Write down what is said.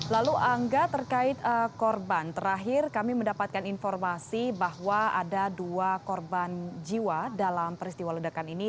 lalu angga terkait korban terakhir kami mendapatkan informasi bahwa ada dua korban jiwa dalam peristiwa ledakan ini